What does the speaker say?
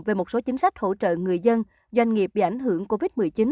về một số chính sách hỗ trợ người dân doanh nghiệp bị ảnh hưởng covid một mươi chín